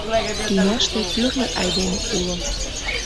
Тӱняште тӱрлӧ айдеме уло.